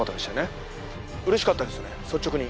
嬉しかったですね率直に。